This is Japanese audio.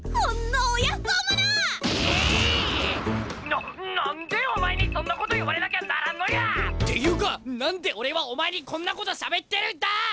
な何でお前にそんなこと言われなきゃならんのや！？っていうか何で俺はお前にこんなことしゃべってるんだ！